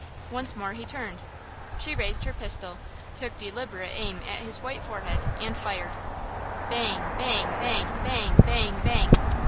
Once more he turned. She raised her pistol, took deliberate aim at his white forehead and fired– Bang! bang! bang! bang! bang! bang!